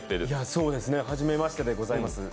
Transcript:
そうですね、初めましてでございます。